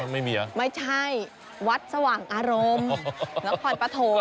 ไม่มีเหรอไม่ใช่วัดสว่างอารมณ์นครปฐม